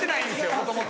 もともと。